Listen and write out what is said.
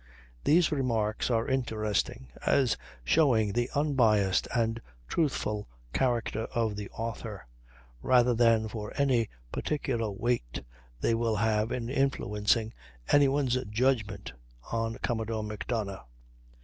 These remarks are interesting as showing the unbiassed and truthful character of the author, rather than for any particular weight they will have in influencing any one's judgment on Commodore Macdonough.